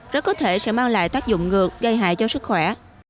rất có thể sẽ mang lại tác dụng ngược gây hại cho sức khỏe